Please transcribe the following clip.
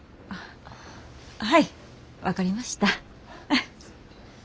はい分かりました。